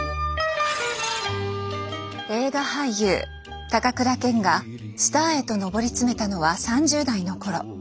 映画俳優高倉健がスターへと上り詰めたのは３０代の頃。